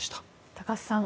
高須さん